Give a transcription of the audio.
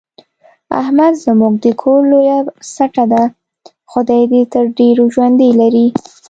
احمد زموږ د کور لویه سټه ده، خدای دې تر ډېرو ژوندی لري.